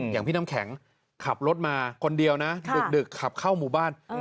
อย่างพี่น้ำแข็งขับรถมาคนเดียวนะดึกขับเข้าหมู่บ้าน